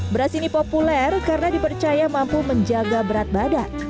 beras ini populer karena dipercaya mampu menjaga berat badan